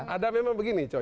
ada memang begini cowo